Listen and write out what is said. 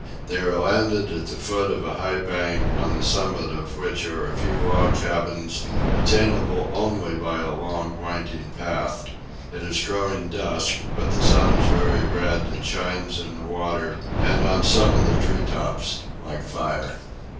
They are landed at the foot of a high bank, on the summit of which are a few log cabins, attainable only by a long winding path. It is growing dusk; but the sun is very red, and shines in the water and on some of the tree tops, like fire.